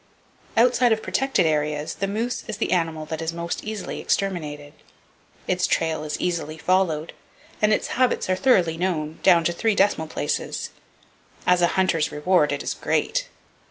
Outside of protected areas, the moose is the animal that is most easily exterminated. Its trail is easily followed, and its habits are thoroughly known, down to three decimal places. As a hunter's reward it is Great.